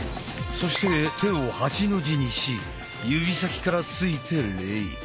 そして手を八の字にし指先からついて礼。